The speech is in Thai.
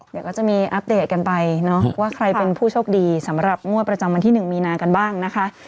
เดี๋ยวก็จะมีอัปเดตกันไปเนาะว่าใครเป็นผู้โชคดีสำหรับงวดประจำวันที่๑มีนากันบ้างนะคะ